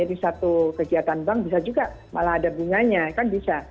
di satu kegiatan bank bisa juga malah ada bunganya kan bisa